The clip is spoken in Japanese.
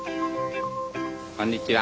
こんにちは。